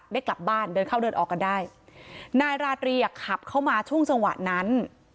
ได้กลับบ้านเดินเข้าเดินออกกันได้นายราตรีอ่ะขับเข้ามาช่วงจังหวะนั้น